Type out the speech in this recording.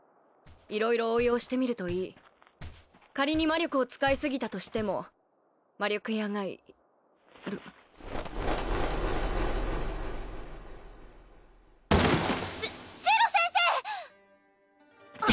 色々応用してみるといい仮に魔力を使いすぎたとしても魔力屋がいるゼゼロ先生！